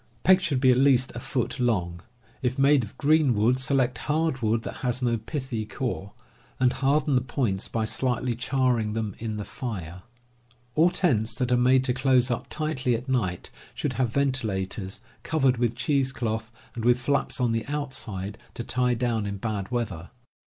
Pegs should be at least a foot long. If made of green wood, select hard wood that has no pithy core, and harden the points by slightly charring them in the fire. AH tents that are made to close up tightly at night should have ventilators, covered with cheese cloth, and with flaps on the outside to tie down in bad weather.